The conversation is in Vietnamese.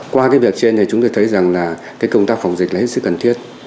qua cái việc trên thì chúng tôi thấy rằng là cái công tác phòng dịch là hết sức cần thiết